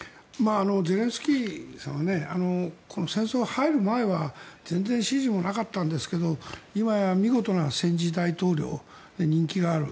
ゼレンスキーさんはこの戦争に入る前は全然支持もなかったんですが今は見事な戦時大統領で人気がある。